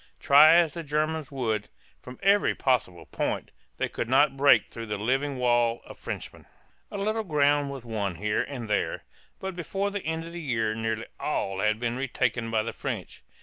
Try as the Germans would, from every possible point, they could not break through the living wall of Frenchmen. A little ground was won here and there, but before the end of the year nearly all had been retaken by the French.